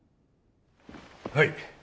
はい。